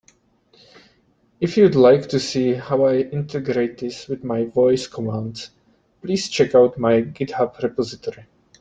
If you'd like to see how I integrate this with my voice commands, please check out my GitHub repository.